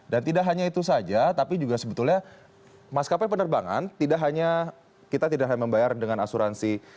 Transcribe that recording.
dan tidak hanya itu saja tapi juga sebetulnya maskapai penerbangan tidak hanya kita tidak hanya membayar dengan asuransi